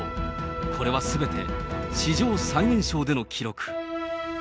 これはすべて史上最年少での記録。